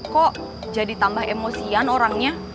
kok jadi tambah emosian orangnya